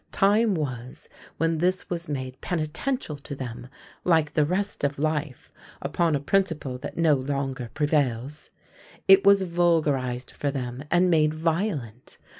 Time was when this was made penitential to them, like the rest of life, upon a principle that no longer prevails. It was vulgarized for them and made violent.